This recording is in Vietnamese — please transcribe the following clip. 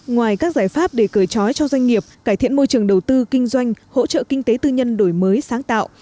ngoài các giải pháp để cười chói cho doanh nghiệp cải thiện môi trường đầu tư kinh doanh hỗ trợ kinh tế tư nhân đổi mới sáng tạo